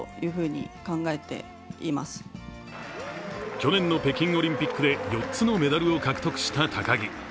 去年の北京オリンピックで４つのメダルを獲得した高木。